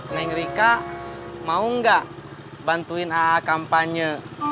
neng rika mau gak bantuin aha kampanye